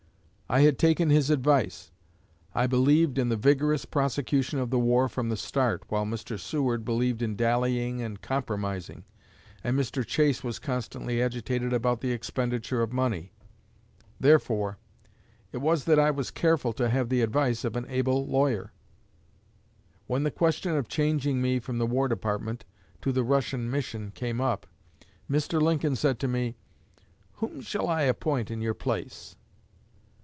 I had taken his advice. I believed in the vigorous prosecution of the war from the start, while Mr. Seward believed in dallying and compromising, and Mr. Chase was constantly agitated about the expenditure of money; therefore it was that I was careful to have the advice of an able lawyer. When the question of changing me from the War Department to the Russian mission came up, Mr. Lincoln said to me, 'Whom shall I appoint in your place?'